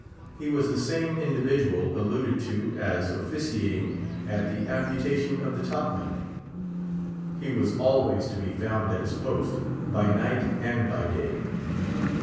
He was the same individual alluded to as officiating at the amputation of the top man. He was always to be found at his post, by night and by day.